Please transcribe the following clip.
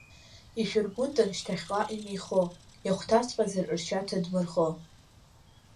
Ишәыргәындан шьҭахьҟа имеихо, иахәҭаҵәҟьазар, ршьа ҭадмырхо.